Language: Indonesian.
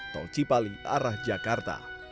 tol cipali arah jakarta